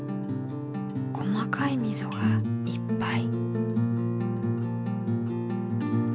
細かいみぞがいっぱい。